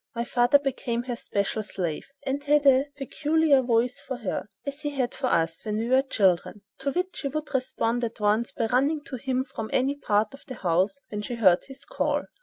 My father became her special slave, and had a peculiar voice for her—as he had for us, when we were children—to which she would respond at once by running to him from any part of the house when she heard his call.